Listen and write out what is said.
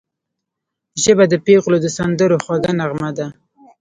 ژبه د پېغلو د سندرو خوږه نغمه ده